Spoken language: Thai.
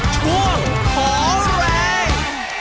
ช่วงขอแรง